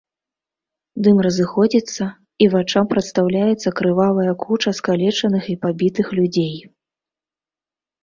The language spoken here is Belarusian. Дым разыходзіцца, і вачам прадстаўляецца крывавая куча скалечаных і пабітых людзей.